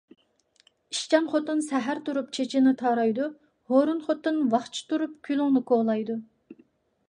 ئىشچان خوتۇن سەھەر تۇرۇپ چېچىنى تارايدۇ، ھۇرۇن خوتۇن ۋاقچە تۇرۇپ كۈلۈڭنى كولايدۇ.